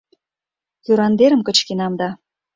Кӱрандерым кычкенам да